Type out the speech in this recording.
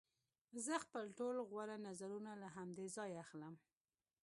زه خپل ټول غوره نظرونه له همدې ځایه اخلم